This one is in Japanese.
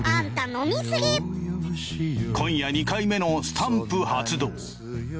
今夜２回目のスタンプ発動。